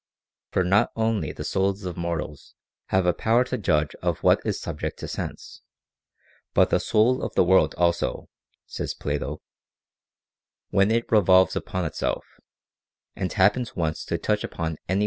For not only the souls of mortals have a power to judge of what is subject to sense ; but the soul of the world also, says Plato, " when it revolves upon itself, and happens once to touch upon any 352 OF THE PROCREATION OF THE SOUL.